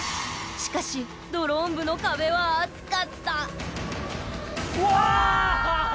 しかしドローン部の壁は厚かったわあ惜しいわ。